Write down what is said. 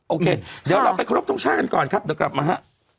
โอเคเดี๋ยวเราไปครบทรงชาติกันก่อนครับเดี๋ยวกลับมาฮะ